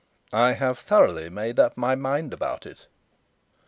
"I have thoroughly made up my mind about it."